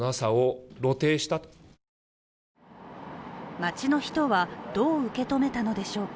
街の人はどう受け止めたのでしょうか。